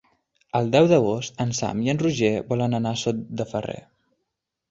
El deu d'agost en Sam i en Roger volen anar a Sot de Ferrer.